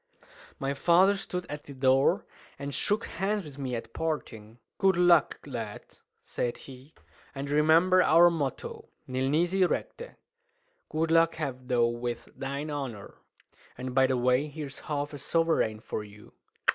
My father stood at the door, and shook hands with me at parting. "Good luck, lad," said he; "and remember our motto: Nil nisi recte! Good luck have thou with thine honour. And, by the way, here's half a sovereign for you."